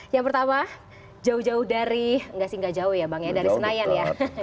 yang pertama jauh jauh dari nggak sih nggak jauh ya bang ya dari senayan ya